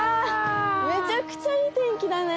めちゃくちゃいいてんきだね。